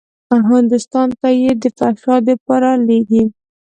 هندوستان ته يې د فحشا دپاره لېږي.